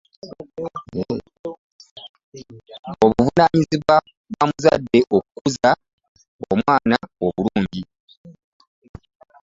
Auvunaanyizibwa bwa muzadde okukuza omwana obulungi